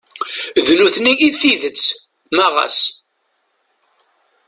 D nutni i d tidett ma ɣas.